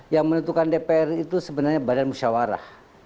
yang menentukan dpr itu sebenarnya badan musyawarah